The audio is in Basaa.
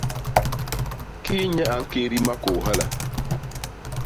Kii nye a ñkédi makôô hala?